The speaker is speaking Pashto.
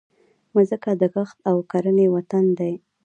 مځکه د کښت او کرنې وطن دی.